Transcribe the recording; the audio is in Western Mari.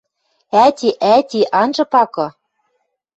— Ӓти, ӓти, анжы пакы